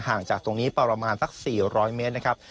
จากตรงนี้ประมาณสัก๔๐๐เมตรนะครับ